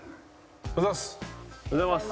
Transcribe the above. おはようございます。